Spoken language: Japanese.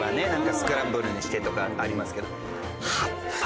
スクランブルにしてとかありますけど。